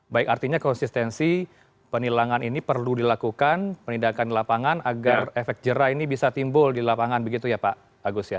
baik artinya konsistensi penilangan ini perlu dilakukan penindakan di lapangan agar efek jerah ini bisa timbul di lapangan begitu ya pak agus ya